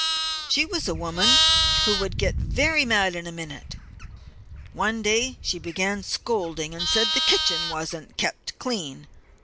She was a woman who would get very mad in a minute. One day she began scolding and said the kitchen wasn't kept clean.